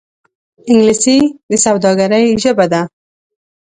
انګلیسي د سوداگرۍ ژبه ده